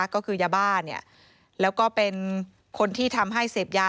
ก็คือยาบ้าแล้วก็เป็นคนที่ทำให้เสพยา